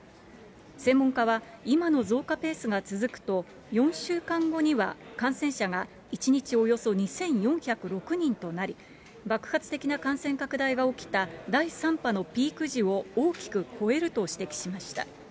専門家は、今の増加ペースが続くと、４週間後には感染者が１日およそ２４０６人となり、爆発的な感染拡大が起きた第３波のピーク時を大きく超えると指摘しました。